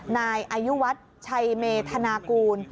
นายอายุวัฒน์ชัยเมธนากูล